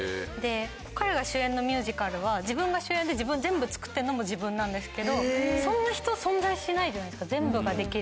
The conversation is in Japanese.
彼が主演のミュージカルは自分が主演で全部作ってるのも自分なんですけどそんな人存在しないじゃないですか全部ができる。